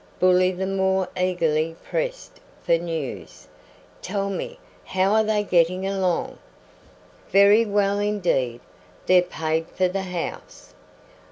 Bully the more eagerly pressed for news. "Tell me, how are they getting along?" "Very well indeed; they've paid for the house."